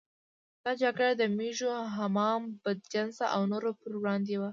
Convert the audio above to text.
دا جګړه د مېږو، حمام بدجنسه او نورو پر وړاندې وه.